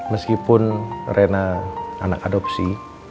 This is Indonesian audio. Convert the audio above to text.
meskipun rena anak adopsi